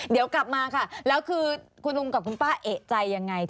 เดี๋ยวกลับมาค่ะแล้วคือคุณลุงกับคุณป้าเอกใจยังไง